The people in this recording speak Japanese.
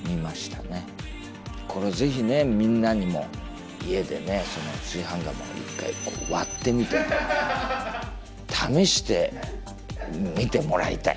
これぜひねみんなにも家で炊飯釜を一回こう割ってみて試してみてもらいたい。